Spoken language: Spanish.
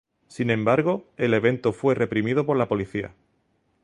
Sin embargo, el evento fue reprimido por la policía.